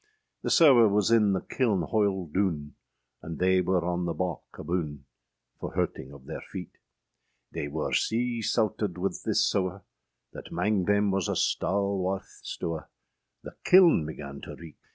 The sewe was in the kilne hoile doone, And they wer on the bawke aboone, For hurting of theyr feete; They wer sea sauted {131c} wyth this sewe, That âmang thayme was a stalwarth stewe, The kilne began to reeke!